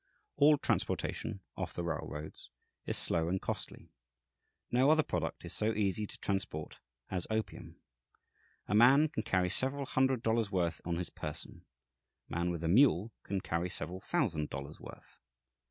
All transportation, off the railroads, is slow and costly. No other product is so easy to transport as opium. A man can carry several hundred dollars' worth on his person; a man with a mule can carry several thousand dollars' worth.